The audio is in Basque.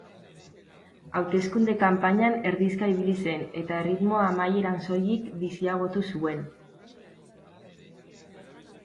Hauteskunde kanpainan erdizka ibili zen, eta erritmoa amaieran soilik biziagotu zuen.